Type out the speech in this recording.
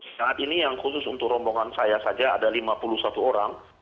saat ini yang khusus untuk rombongan saya saja ada lima puluh satu orang